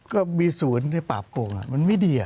ก็มีศูนย์ในปราบโกงมันไม่ดี